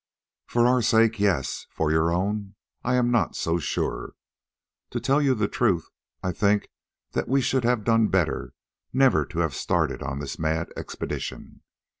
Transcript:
"For our sakes, yes; for your own I am not so sure. To tell you the truth, I think that we should have done better never to have started on this mad expedition.